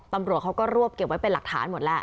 ตำรวจเขาก็รวบเก็บไว้เป็นหลักฐานหมดแล้ว